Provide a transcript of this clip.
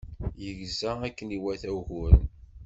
Yegza akken iwata uguren.